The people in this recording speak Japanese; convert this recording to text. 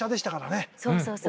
そうそうそうそう！